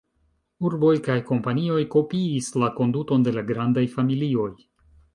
Urboj kaj kompanioj kopiis la konduton de la grandaj familioj.